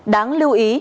đáng lưu ý